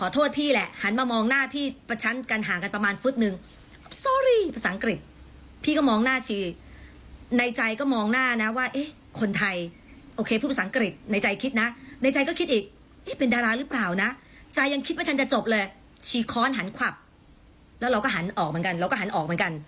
เธอแทนแต่จบเลยชี้ค้อนหันควับแล้วเราก็หันออกเหมือนกันเราก็หันออกเหมือนกัน